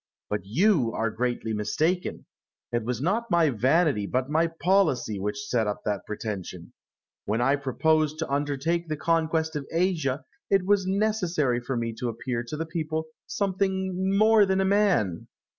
But you are greatly mistaken. It was not my vanity, but my policy, which set up that pretension. When I proposed to undertake the conquest of Asia, it was necessary for me to appear to the people something more than a man.